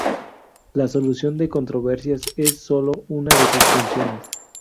La solución de controversias es sólo una de sus funciones.